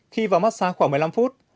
khi vào massage khoảng một mươi năm phút